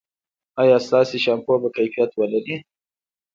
ایا ستاسو شامپو به کیفیت ولري؟